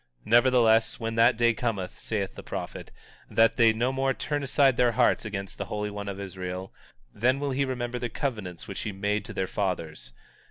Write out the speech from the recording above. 19:15 Nevertheless, when that day cometh, saith the prophet, that they no more turn aside their hearts against the Holy One of Israel, then will he remember the covenants which he made to their fathers.